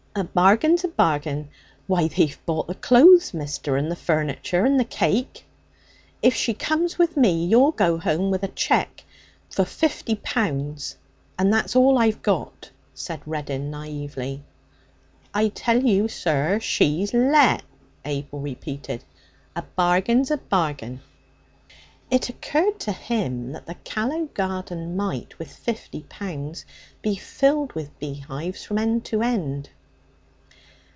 A bargain's a bargain. Why, they've bought the clothes, mister, and the furniture and the cake!' 'If she comes with me, you'll go home with a cheque for fifty pounds, and that's all I've got,' said Reddin naively. 'I tell you, sir, she's let,' Abel repeated. 'A bargain's a bargain!' It occurred to him that the Callow garden might, with fifty pounds, be filled with beehives from end to end.